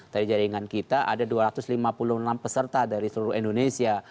dari jaringan kita ada dua ratus lima puluh enam peserta dari seluruh indonesia